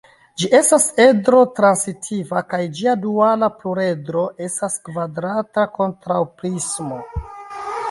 Ĝi estas edro-transitiva kaj ĝia duala pluredro estas kvadrata kontraŭprismo.